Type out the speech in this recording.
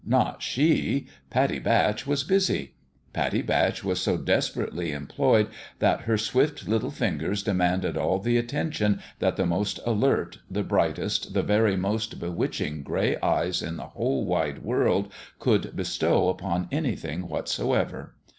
Not she ! Pat tie Batch was busy. Pattie Batch was so des perately employed that her swift little fingers de manded all the attention that the most alert, the brightest, the very most bewitching gray eyes in the whole wide world could bestow upon any thing whatsoever.